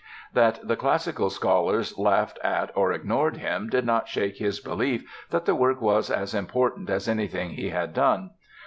That the classical scholars laughed at or ignored him did not shake his belief that the work was as important as anything he had done.